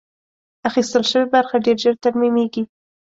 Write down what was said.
اخیستل شوې برخه ډېر ژر ترمیمېږي.